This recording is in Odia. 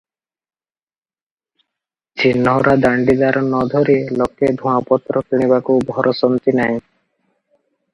ଚିହ୍ନରା ଦଣ୍ଡିଦାର ନ ଧରି ଲୋକେ ଧୁଆଁପତ୍ର କିଣିବାକୁ ଭରସନ୍ତି ନାହିଁ ।